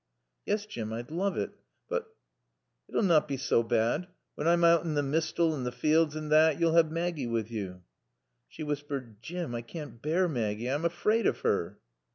"Yes, Jim, I'd love it. But " "It'll not bae soa baad. Whan I'm out in t' mistal and in t' fields and thot, yo'll have Maaggie with yo." She whispered. "Jim I can't bear Maggie. I'm afraid of her."